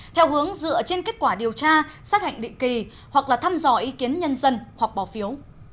theo hướng dựa trên kết quả điều tra sát hạch định kỳ hoặc là thăm dò ý kiến nhân dân hoặc bỏ phiếu